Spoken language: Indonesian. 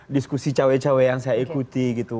diskusi cewek cewek yang saya ikuti gitu